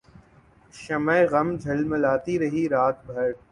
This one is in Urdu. شمع غم جھلملاتی رہی رات بھر